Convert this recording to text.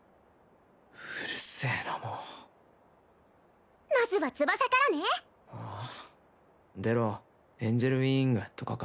うるせえなもうまずは翼からねはあ出ろエンジェルウイングとかか？